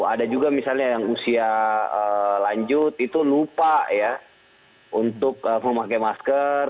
ada juga misalnya yang usia lanjut itu lupa ya untuk memakai masker